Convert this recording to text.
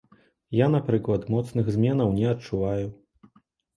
Я, напрыклад, моцных зменаў не адчуваю.